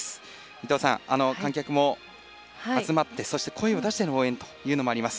伊藤さん、観客も集まってそして、声を出しての応援というのもあります。